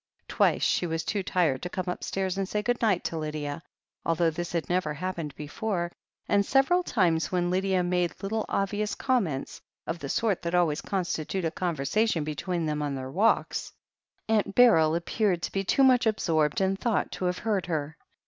Twice she was too tired to come upstairs and say good night to Lydia, although this had never happened before, and several times when Lydia made little obvious comments, of the sort that always con stituted conversation between them on their walks, 34 THE HEEL OF ACHILLES Aunt Beryl appeared to be too much absorbed in thought to have heard her.